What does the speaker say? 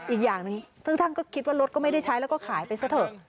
อีกอย่างหนึ่งซึ่งท่านก็คิดว่ารถก็ไม่ได้ใช้แล้วก็ขายไปซะเถอะ